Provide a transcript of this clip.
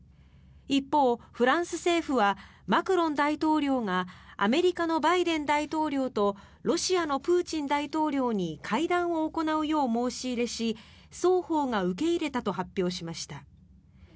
一方、フランス政府はマクロン大統領がアメリカのバイデン大統領とロシアのプーチン大統領に会談を行うよう申し入れし双方が受け入れたと発表しました。